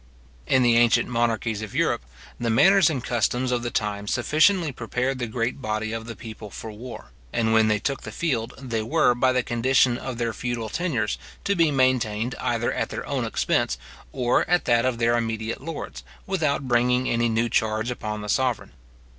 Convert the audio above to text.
In the ancient monarchies of Europe, the manners and customs of the time sufficiently prepared the great body of the people for war; and when they took the field, they were, by the condition of their feudal tenures, to be maintained either at their own expense, or at that of their immediate lords, without bringing any new charge upon the sovereign.